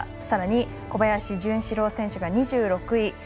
さらに、小林潤志郎選手が２６位。